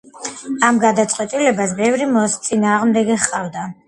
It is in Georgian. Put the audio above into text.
ამ გადაწყვეტილებას ბევრი მოწინააღმდეგე ჰყავდა.